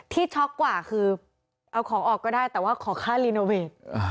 ช็อกกว่าคือเอาของออกก็ได้แต่ว่าขอค่ารีโนเวท